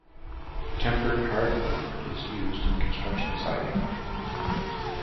Tempered hardboard is used in construction siding.